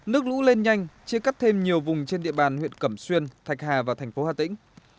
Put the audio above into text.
nước lũ lên nhanh chia cắt thêm nhiều vùng trên địa bàn huyện cẩm xuyên thạch hà và thành phố hà tĩnh